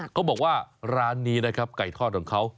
เขาบอกว่าร้านนี้นะครับไก่ทอดของเขา